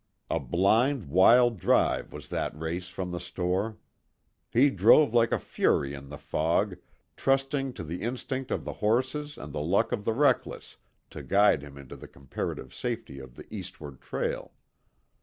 A blind, wild drive was that race from the store. He drove like a fury in the fog, trusting to the instinct of the horses and the luck of the reckless to guide him into the comparative safety of the eastward trail.